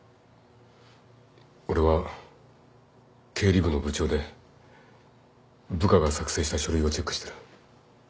俺は経理部の部長で部下が作成した書類をチェックしてる。